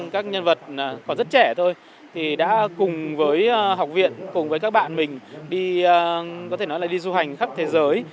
các nhân vật còn rất trẻ thôi thì đã cùng với học viện cùng với các bạn mình đi có thể nói là đi du hành khắp thế giới